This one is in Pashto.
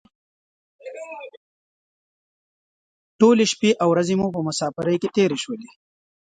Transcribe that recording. ټولې شپې او ورځې مو په مسافرۍ کې تېرې شولې.